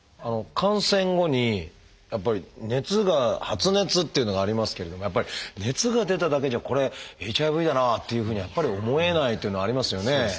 感染後にやっぱり熱が発熱っていうのがありますけれどもやっぱり熱が出ただけじゃこれＨＩＶだなっていうふうにはやっぱり思えないっていうのはありますよね。